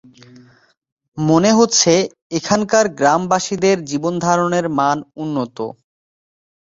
মনে হচ্ছে এখানকার গ্রামবাসীদের জীবনধারণের মান উন্নত।